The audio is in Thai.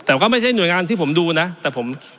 แต่ก็ไม่ใช่หน่วยงานที่ผมดูนะแต่ผม